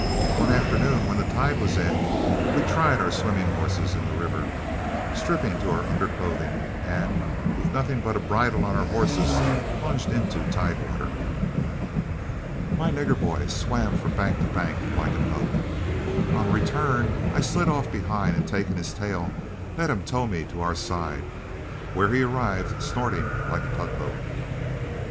One afternoon when the tide was in, we tried our swimming horses in the river, stripping to our underclothing, and, with nothing but a bridle on our horses, plunged into tidewater. My Nigger Boy swam from bank to bank like a duck. On the return I slid off behind, and taking his tail, let him tow me to our own side, where he arrived snorting like a tugboat.